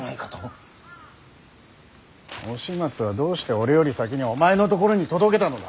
押松はどうして俺より先にお前のところに届けたのだ。